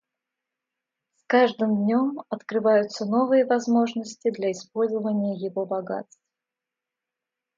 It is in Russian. С каждым днем открываются новые возможности для использования его богатств.